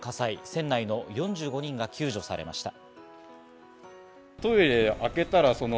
船内の４５人が救助されました。